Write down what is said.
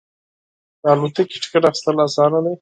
د الوتکې ټکټ اخیستل اسانه دی.